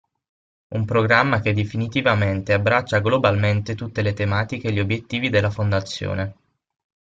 Un programma che definitivamente abbraccia globalmente tutte le tematiche e gli obbiettivi della Fondazione.